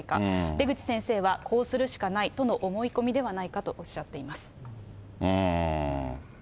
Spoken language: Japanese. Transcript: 出口先生は、こうするしかないとの思い込みではないかとおっしゃっています。